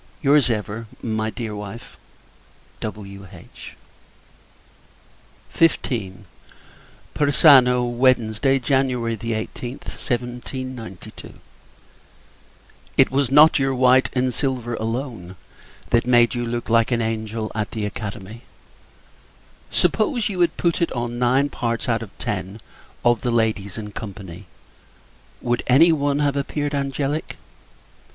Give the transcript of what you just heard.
Your's, ever, my dear wife, W.H. XV. Persano, Wednesday, [Jan. 18th, 1792.] It was not your white and silver, alone, that made you look like an angel, at the Academy. Suppose you had put it on nine parts out of ten of the ladies in company, would any one have appeared angelic?